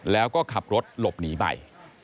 แล้วก็ขับรถหลบหนีไป